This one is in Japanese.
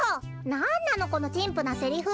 なんなのこのちんぷなセリフ。